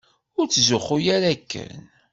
Ur tzuxxu ara akken.